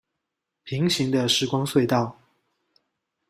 平行的時光隧道